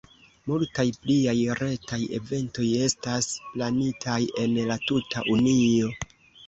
Multaj pliaj retaj eventoj estas planitaj en la tuta Unio.